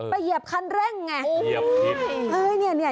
ไปเยียบคันเร่งเงี่ย